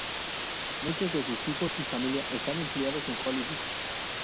Muchos de sus hijos y familia están empleados en Hollywood.